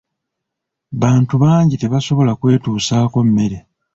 Bantu bangi tebasobola kwetuusaako mmere.